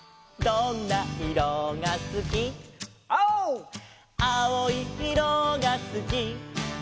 「どんないろがすき」「」「きいろいいろがすき」